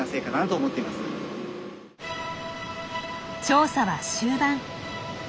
調査は終盤。